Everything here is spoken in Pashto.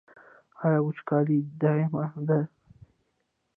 آیا وچکالي دایمي ده؟